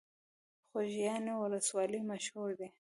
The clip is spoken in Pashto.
خوږیاڼیو ولسوالۍ مشهوره ده؟